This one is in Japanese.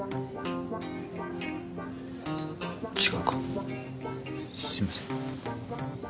違うかすいません。